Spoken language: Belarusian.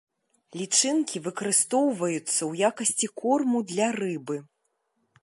Лічынкі выкарыстоўваюцца ў якасці корму для рыбы.